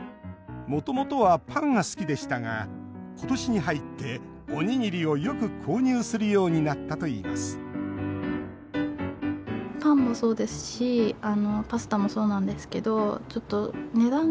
もともとはパンが好きでしたが今年に入って、おにぎりをよく購入するようになったといいます麻生さんの外食予算は１日５００円。